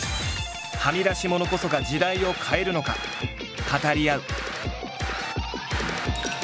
はみ出し者こそが時代を変えるのか語り合う！